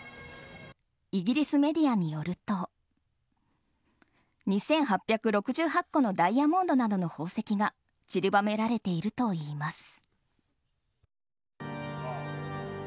イギリスメディアによると２８６８個のダイヤモンドなどの宝石がちりばめられているといいます。